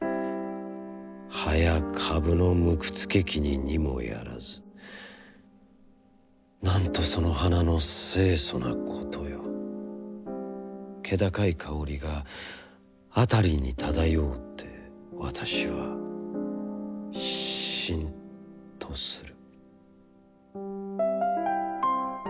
葉や株のむくつけきに似もやらず、なんとその花の清楚なことよ、気高いかおりがあたりにただようて、私はしんとする」。